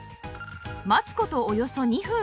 待つ事およそ２分